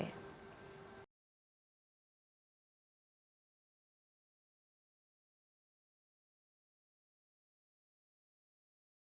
terima kasih sudah bergabung